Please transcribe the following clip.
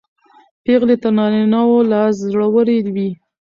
پېغلې تر نارینه و لا زړورې وې.